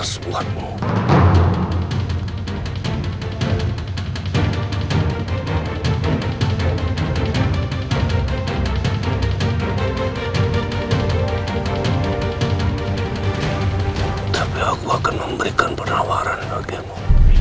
saya akan menarikan penawaran bagimu